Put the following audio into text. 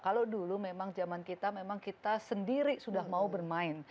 kalau dulu memang zaman kita memang kita sendiri sudah mau bermain